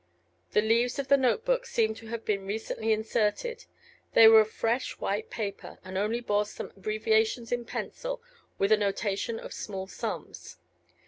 The leaves of the note book seemed to have been recently inserted; they were of fresh white paper, and only bore some abbreviations in pencil with a notation of small sums.